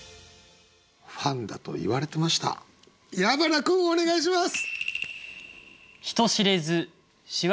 ファンだと言われてました矢花君お願いします！